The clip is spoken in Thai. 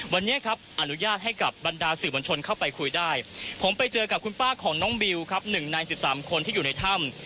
วันนี้ครับอนุญาตให้กับบรรดาสื่อมวลชนเข้าไปคุยได้ผมไปเจอกับคุณป้าของน้องบิวครับ๑ใน๑๓คนที่อยู่ในถ้ำ